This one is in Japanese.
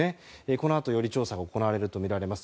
このあと、より調査が行われるとみられます。